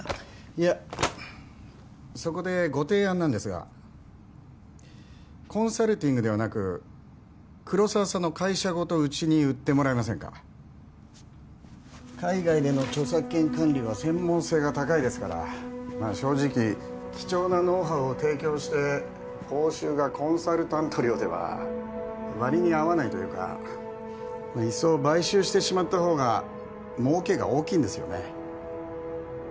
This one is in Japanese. いやそこでご提案なんですがコンサルティングではなく黒沢さんの会社ごとうちに売ってもらえませんか海外での著作権管理は専門性が高いですからまあ正直貴重なノウハウを提供して報酬がコンサルタント料では割に合わないというかいっそ買収してしまったほうが儲けが大きいんですよね